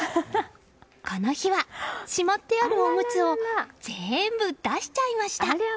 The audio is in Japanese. この日はしまってあるおむつを全部出しちゃいました。